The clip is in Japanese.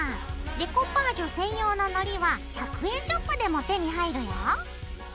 デコパージュ専用ののりは１００円ショップでも手に入るよ。